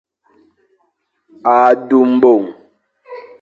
A du mbong.